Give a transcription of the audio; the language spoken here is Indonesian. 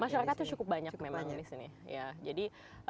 masyarakat itu cukup banyak memang di sini